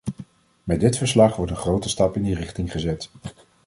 Met dit verslag wordt een grote stap in die richting gezet.